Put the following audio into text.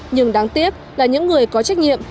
nhưng đáng tiếc là những người có trách nhiệm